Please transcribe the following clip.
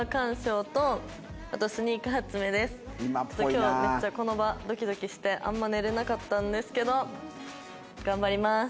今日めっちゃこの場ドキドキしてあんま寝れなかったんですけど頑張ります。